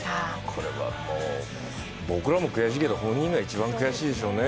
これはもう僕らも悔しいけど本人が一番悔しいでしょうね。